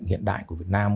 hiện đại của việt nam